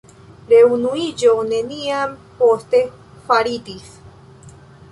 Reunuiĝo neniam poste faritis.